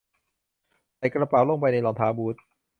ใส่กระเป๋าลงไปในรองเท้าบูท